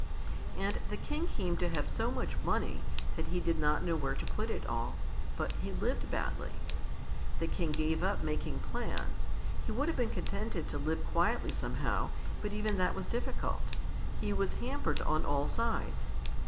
And the King came to have so much money that he did not know where to put it all, but he lived badly. The King gave up making plans; he would have been contented to live quietly somehow, but even that was difficult. He was hampered on all sides.